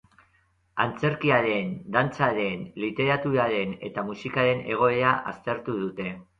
Antzerkiaren, dantzaren, literaturaren eta musikaren egoera aztertu dute.